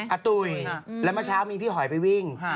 อาตุ๋ยแล้วเมื่อเช้ามีพี่หอยไปวิ่ง